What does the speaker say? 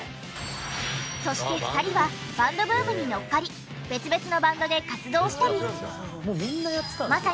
そして２人はバンドブームに乗っかり別々のバンドで活動したり。